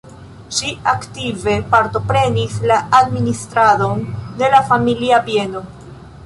Ŝi aktive partoprenis la administradon de la familia bieno.